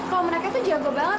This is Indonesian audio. kau menangnya tuh jago banget